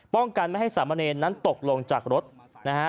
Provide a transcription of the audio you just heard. ป้องกันไม่ให้สามเณรนั้นตกลงจากรถนะฮะ